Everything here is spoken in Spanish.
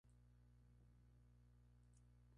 La imagen se ha atribuido al imaginero Francisco de Ocampo.